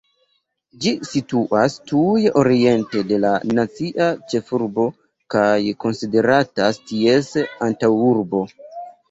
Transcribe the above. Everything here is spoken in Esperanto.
Ĝi situas tuj oriente de la nacia ĉefurbo kaj konsideratas ties antaŭurbo.